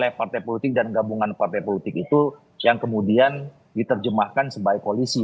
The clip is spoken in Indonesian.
oleh partai politik dan gabungan partai politik itu yang kemudian diterjemahkan sebagai koalisi